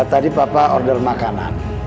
tadi papa order makanan